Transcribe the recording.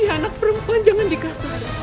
ini anak perempuan jangan dikasar